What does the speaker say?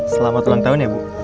selamat ulang tahun ya bu